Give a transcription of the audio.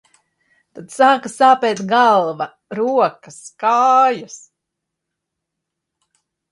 Tad sāka sāpēt galva, rokas, kājas.